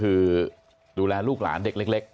คือดูแลลูกหลานเด็กเล็ก